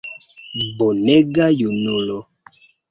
Bonega junulo!